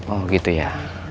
oh gitu ya